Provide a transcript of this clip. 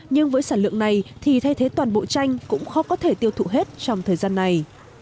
nhưng với sản lượng này thì thay thế toàn bộ chanh cũng khó có thể tiêu thụ hết trong thời gian này